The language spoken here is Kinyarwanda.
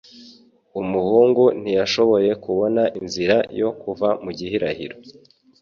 Umuhungu ntiyashoboye kubona inzira yo kuva mu gihirahiro.